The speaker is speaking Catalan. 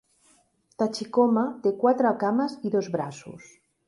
Tachikoma té quatre cames i dos braços.